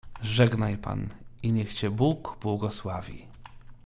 "Żegnaj pan i niech cię Bóg błogosławi."